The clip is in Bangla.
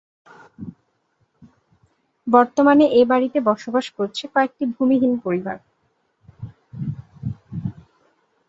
বর্তমানে এ বাড়িতে বসবাস করছে কয়েকটি ভূমিহীন পরিবার।